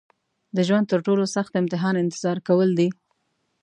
د ژوند تر ټولو سخت امتحان انتظار کول دي.